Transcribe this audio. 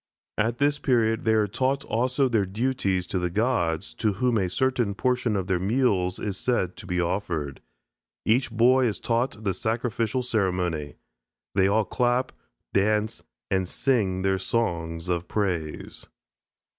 At this period they are taught also their duties to the gods, to whom a certain portion of their meals is said to be offered. Each boy is taught the sacrificial ceremony; they all clap, dance, and sing their song of praise.